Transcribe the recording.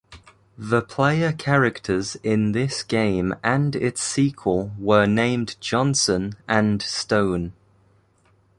The player characters in this game and its sequel were named Johnson and Stone.